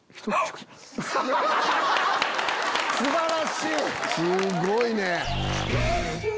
すごいね。